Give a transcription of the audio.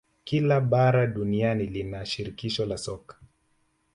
Kila bara duniani lina shirikisho la soka